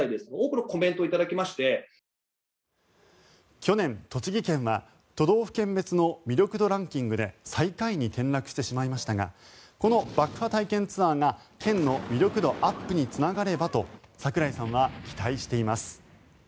去年、栃木県は都道府県別の魅力度ランキングで最下位に転落してしまいましたがこの爆破体験ツアーが県の魅力度アップにつながればと桜井さんは期待しています。